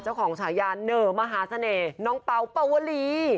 เจ้าของฉายานเนอร์มหาเสน่ห์น้องเปาปวลี